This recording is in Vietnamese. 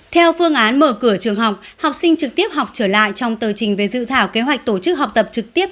theo phương án mở cửa trường học học sinh trực tiếp học trở lại trong tờ trình về dự thảo kế hoạch tổ chức học tập trực tiếp